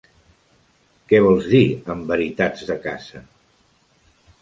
Què vols dir amb "veritats de casa"?